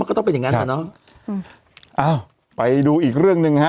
ก็ต้องเป็นอย่างงั้นอ่ะเนอะอืมอ้าวไปดูอีกเรื่องหนึ่งฮะ